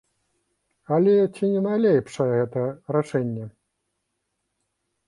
Але ці найлепшае гэта рашэнне?